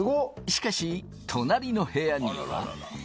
しかし、隣の部屋には。